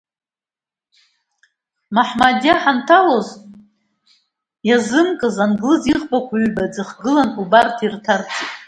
Маҳмадиа ҳанҭалоз иазымкыз, англыз иӷбақәа ҩба ӡхгылан, убарҭ ирҭарҵеит.